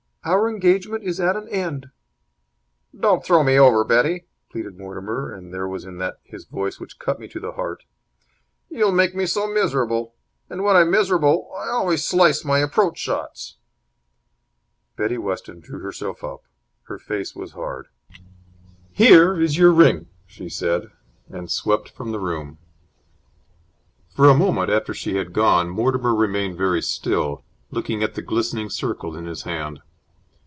Our engagement is at an end." "Don't throw me over, Betty," pleaded Mortimer, and there was that in his voice which cut me to the heart. "You'll make me so miserable. And, when I'm miserable, I always slice my approach shots." Betty Weston drew herself up. Her face was hard. "Here is your ring!" she said, and swept from the room. For a moment after she had gone Mortimer remained very still, looking at the glistening circle in his hand.